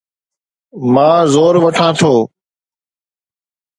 مان زور وٺان ٿو